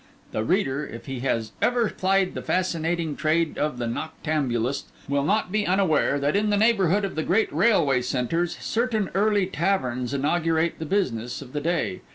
The reader, if he has ever plied the fascinating trade of the noctambulist, will not be unaware that, in the neighbourhood of the great railway centres, certain early taverns inaugurate the business of the day.